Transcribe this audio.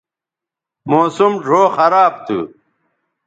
موسم ڙھؤ خراب تھو